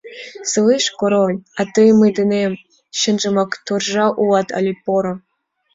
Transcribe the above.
Слышь, Король, а тый мый денем чынжымак торжа улат але поро?